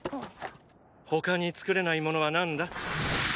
他に作れないものは何だ？